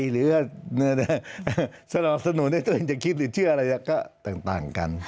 หรือสนับสนุนให้ตัวเองจะคิดหรือเชื่ออะไรก็ต่างกัน